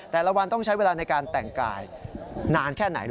แต่ละวันต้องใช้เวลาในการแต่งกายนานแค่ไหน